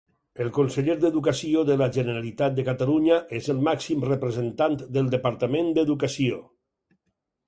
El conseller d'Educació de la Generalitat de Catalunya és el màxim representant del departament d'Educació.